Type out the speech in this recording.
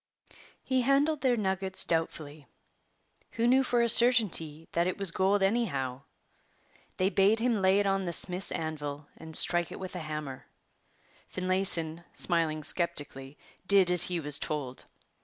He handled their nuggets doubtfully. Who knew for a certainty that it was gold anyhow? They bade him lay it on the smith's anvil and strike it with a hammer. Finlayson, smiling sceptically, did as he was told.